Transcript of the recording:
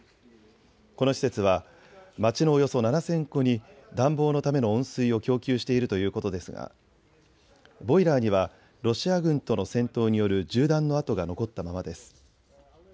この施設は街のおよそ７０００戸に暖房のための温水を供給しているということですがボイラーにはロシア軍との戦闘による銃弾の痕が残ったままです。